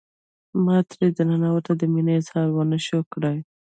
ما تر ننه ورته د مینې اظهار ونشو کړای.